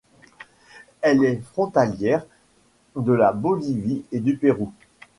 Elle est frontalière de la Bolivie et du Pérou.